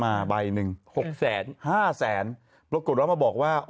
มาใบหนึ่งห้าแสนห้าแสนโดดแล้วมาบอกว่าอ๋อ